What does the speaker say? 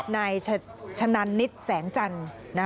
นายชะนันนิดแสงจันทร์